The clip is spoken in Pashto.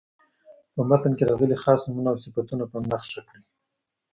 په متن کې راغلي خاص نومونه او صفتونه په نښه کړئ.